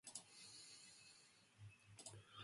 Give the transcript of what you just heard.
En no betiid op bêd want moarn wachtet wer in nije dei.